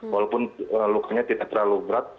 walaupun lukanya tidak terlalu berat